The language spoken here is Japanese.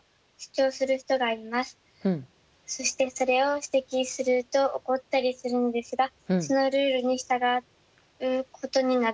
そしてそれを指摘すると怒ったりするんですがそのルールに従うことに納得できません。